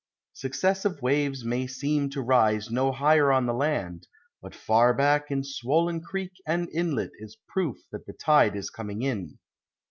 Successive waves may seem to rise no higher on the land, but far back in swollen creek and inlet is proof that the tide is coming in.